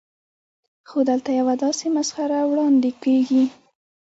خو دلته یوه داسې مسخره وړاندې کېږي.